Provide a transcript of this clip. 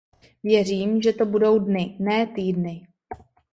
Věřím, že to budou dny, ne týdny.